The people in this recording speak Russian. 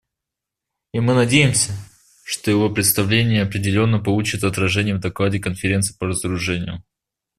И мы надеемся, что его представление определенно получит отражение в докладе Конференции по разоружению.